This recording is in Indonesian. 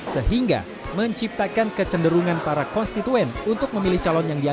sehingga menciptakan kecenderungan dan kemampuan untuk memiliki kemampuan yang lebih baik